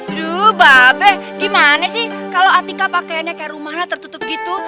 aduh babe gimana sih kalau atika pakaiannya kayak rumahnya tertutup gitu